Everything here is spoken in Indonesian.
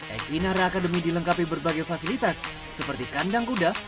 equinara academy dilengkapi berbagai fasilitas seperti kandang kuda